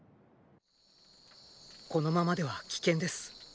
このままでは危険です。